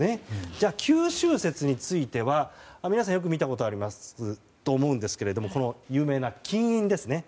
じゃあ九州説については皆さん見たことあると思うんですがこの有名な金印ですね。